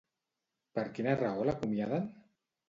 Per quina raó l'acomiaden?